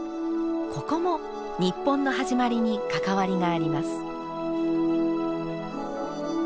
ここも日本の始まりに関わりがあります。